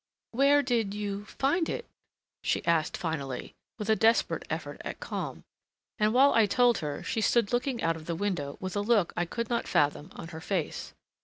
"Where did—you—find it?" she asked finally, with a desperate effort at calm. And while I told her she stood looking out of the window with a look I could not fathom on her face.